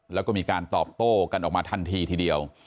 แล้วก็มีการตอบโต้กันออกมาทันทีทีเดียว